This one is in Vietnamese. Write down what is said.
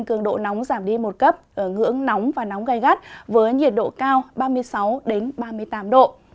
cường độ nóng giảm đi một cấp ở ngưỡng nóng và nóng gai gắt với nhiệt độ cao ba mươi sáu ba mươi tám độ